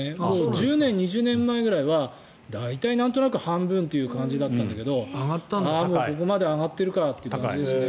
１０年、２０年くらい前は大体半分という感じだったんだけどここまで上がってるかという感じですね。